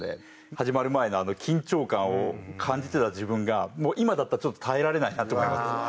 始まる前のあの緊張感を感じてた自分が今だったらちょっと耐えられないなと思います。